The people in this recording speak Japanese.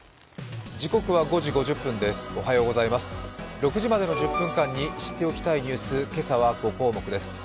６時までの１０分間に知っておきたいニュース、けさは５項目です。